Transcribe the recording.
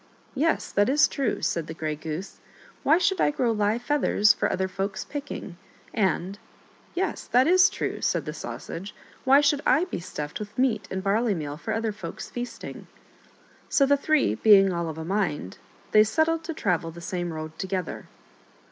" Yes, that is true," said the Grey Goose ;" why should I grow live feathers for other folk's picking?" And— " Yes, that is true," said the Sausage ," why should I be stuffed with meat and barley meal for other folk's feasting?" So the three being all of a mind, they settled to travel the same road together.